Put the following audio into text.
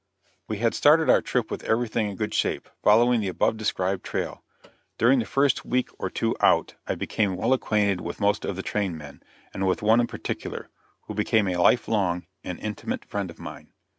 We had started on our trip with everything in good shape, following the above described trail. During the first week or two out, I became well acquainted with most of the train men, and with one in particular, who became a life long and intimate friend of mine.